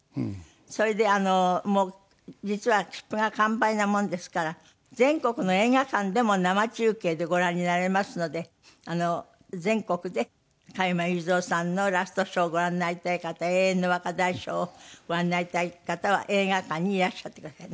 それでもう実は切符が完売なものですから全国の映画館でも生中継でご覧になれますので全国で加山雄三さんのラストショーをご覧になりたい方「永遠の若大将」をご覧になりたい方は映画館にいらっしゃってください。